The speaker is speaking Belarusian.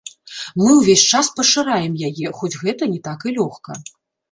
Мы ўвесь час пашыраем яе, хоць гэта не так і лёгка.